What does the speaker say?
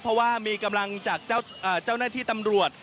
เพราะว่ามีกำลังจากเจ้าหน้าที่ตำรวจ